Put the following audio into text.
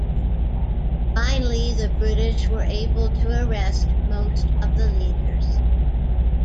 Finally the British were able to arrest most of the leaders.